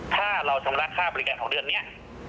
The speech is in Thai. ถ้าเราชำระค่าบริการของเดือนนี้